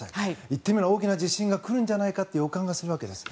言ってみれば、大きな地震が来るんじゃないかという予感がするわけです。